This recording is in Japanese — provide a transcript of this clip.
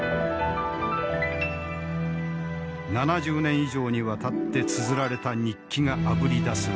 ７０年以上にわたってつづられた日記があぶり出す